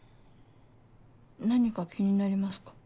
何か気になりますか？